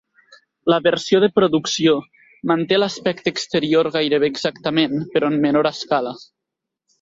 La versió de producció manté l'aspecte exterior gairebé exactament, però en menor escala.